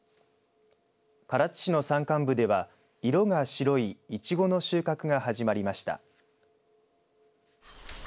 唐津市の山間部では色が白いいちごの収穫が始まりました。